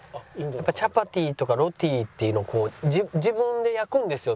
チャパティとかロティっていうのを自分で焼くんですよ